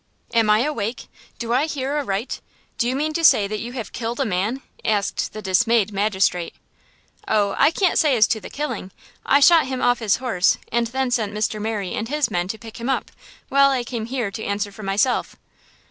"Am I awake? Do I hear aright? Do you mean to say that you have killed a man?" asked the dismayed magistrate. "Oh, I can't say as to the killing! I shot him off his horse and then sent Mr. Merry and his men to pick him up, while I came here to answer for myself!"